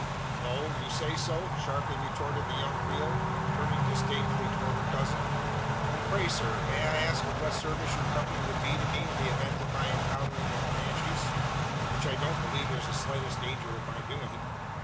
"Oh! you say so?" sharply retorted the young Creole, turning disdainfully towards her cousin. "And pray, sir, may I ask of what service your company would be to me in the event of my encountering the Comanches, which I don't believe there's the slightest danger of my doing?